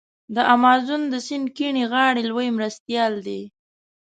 د امازون د سیند کیڼې غاړي لوی مرستیال دی.